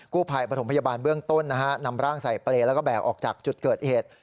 ผู้ภัยประถมพยาบาลเบื้องต้นนะฮะนำร่างใส่เปรย์แล้วก็แบกออกจากจุดเกิดเหตุ